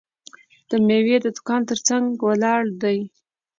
د میوې د دوکان ترڅنګ ولاړ دی.